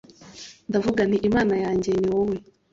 ndavuga nti Imana yanjye ni wowe»